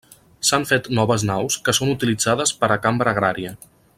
S'han fet noves naus que són utilitzades per a Cambra Agrària.